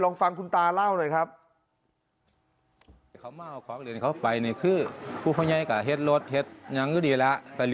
ฟังคุณตาเล่าหน่อยครับ